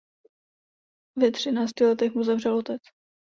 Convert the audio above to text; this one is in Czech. Ve třinácti letech mu zemřel otec.